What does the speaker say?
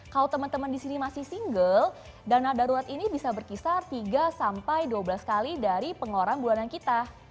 kalau teman teman di sini masih single dana darurat ini bisa berkisar tiga sampai dua belas kali dari pengeluaran bulanan kita